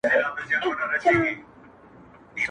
باد صبا د خدای لپاره-